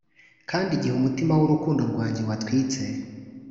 kandi igihe umutima wurukundo rwanjye watwitse